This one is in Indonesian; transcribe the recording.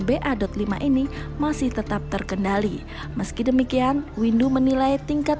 varian b adot empat dan b adot lima ini masih tetap terkendali meski demikian windu menilai tingkat